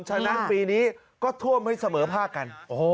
ฉะนั้นปีนี้ก็ท่วมให้เสมอภาคกัน